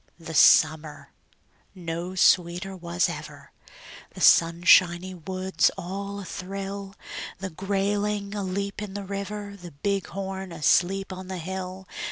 The summer no sweeter was ever; The sunshiny woods all athrill; The grayling aleap in the river, The bighorn asleep on the hill.